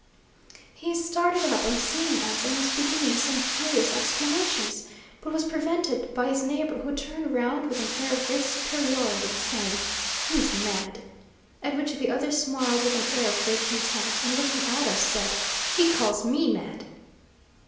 He started up on seeing us, and was beginning some furious explanations, but was prevented by his neighbour, who turned round with an air of great superiority, saying, "He's mad!" at which the other smiled with an air of great contempt, and looking at us said, "He calls me mad!"